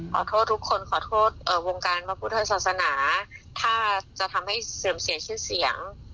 ขอโทษทุกคนขอโทษวงการพระพุทธศาสนาถ้าจะทำให้เสื่อมเสียชื่อเสียง